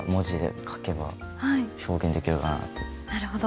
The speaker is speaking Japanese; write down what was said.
なるほど。